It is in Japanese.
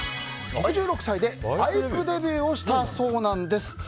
６６歳でバイクデビューをしたそうです。